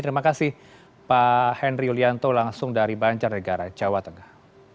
terima kasih pak henry yulianto langsung dari banjarnegara jawa tengah